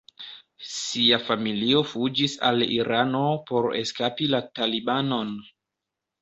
Sia familio fuĝis al Irano por eskapi la Talibanon.